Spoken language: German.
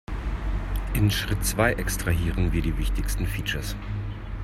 In Schritt zwei extrahieren wir die wichtigsten Features.